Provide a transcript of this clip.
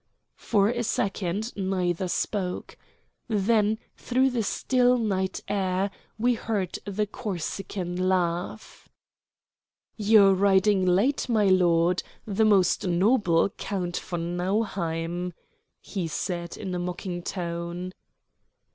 For a second neither spoke. Then through the still night air we heard the Corsican laugh. "You're riding late, my lord, the most noble Count von Nauheim," he said in a mocking tone.